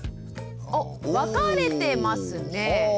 おっ分かれてますね。